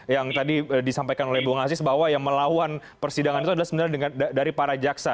yang tadi disampaikan oleh bung aziz bahwa yang melawan persidangan itu adalah sebenarnya dari para jaksa